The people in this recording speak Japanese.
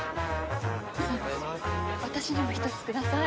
私にも１つください。